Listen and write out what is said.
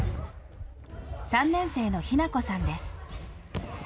３年生のひなこさんです。